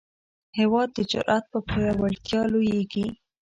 هېواد د جرئت په پیاوړتیا لویېږي.